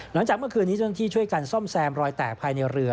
หลังจากเมื่อคืนนี้เจ้าหน้าที่ช่วยกันซ่อมแซมรอยแตกภายในเรือ